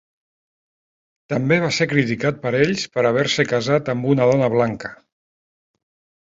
També va ser criticat per ells per haver-se casat amb una dona blanca.